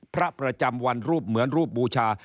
พระประจำวันรูปเหมือนรูปบูชา